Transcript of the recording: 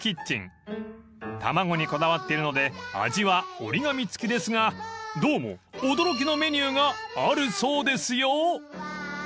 ［卵にこだわっているので味は折り紙付きですがどうも驚きのメニューがあるそうですよ］